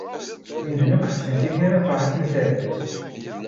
Medden akk ḥebsen tikli ala Ferḥat n At Ɛebbas.